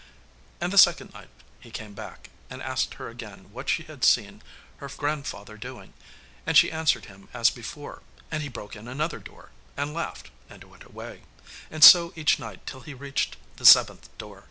And the second night he came back, and asked her again what she had seen her grandfather doing, and she answered him as before, and he broke in another door, and laughed and went away, and so each night till he reached the seventh door.